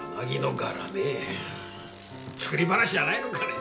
作り話じゃないのかね。